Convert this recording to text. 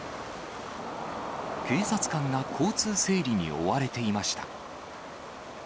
警察官が交通整理に追われていました。